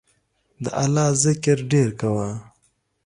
د الله ذکر ډیر کوه